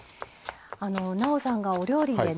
なおさんがお料理でね